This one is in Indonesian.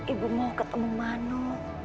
ibu mau ketemu mano